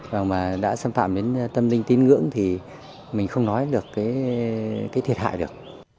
và đã xâm phạm đến tâm linh tín ngưỡng thì mình không nói được cái thiệt hại được